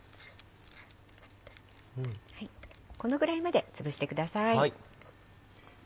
このぐらいまでつぶしてください。